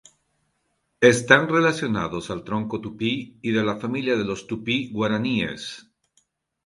Están relacionados al tronco Tupí, y de la familia de los tupí-guaraníes.